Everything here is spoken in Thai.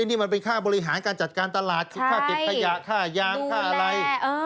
นี่มันเป็นค่าบริหารการจัดการตลาดคือค่าเก็บขยะค่ายางค่าอะไร